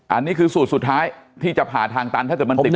อันนี้คือสูตรสุดท้ายที่จะผ่าทางตันถ้าเกิดมันติด